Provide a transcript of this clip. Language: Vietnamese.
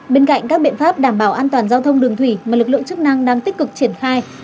bên cạnh các biện pháp đảm bảo an toàn giao thông đường thủy mà lực lượng chức năng đang tích cực triển khai